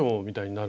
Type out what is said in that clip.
みたい